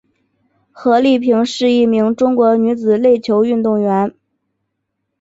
何丽萍是一名中国女子垒球运动员。